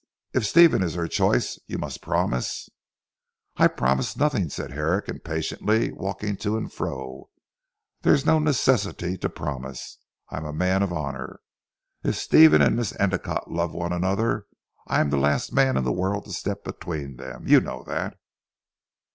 If Stephen is her choice, you must promise " "I promise nothing," said Herrick impatiently walking to and fro, "there is no necessity to promise. I am a man of honour. If Stephen and Miss Endicotte love one another I am the last man in the world to step between them. You know that."